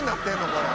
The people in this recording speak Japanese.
これ。